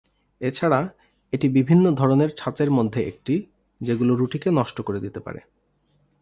এছাড়া, এটা বিভিন্ন ধরনের ছাঁচের মধ্যে একটা, যেগুলো রুটিকে নষ্ট করে দিতে পারে।